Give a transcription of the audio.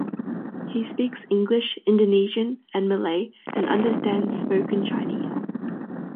He speaks English, Indonesian and Malay and understands spoken Chinese.